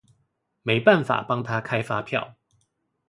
沒辦法幫他開發票